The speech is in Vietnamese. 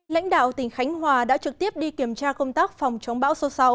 lãnh đạo tỉnh khánh hòa đã trực tiếp đi kiểm tra công tác phòng chống bão số sáu